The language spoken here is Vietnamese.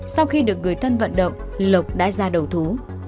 sau khi được người thân vận động lộc đã ra đầu thú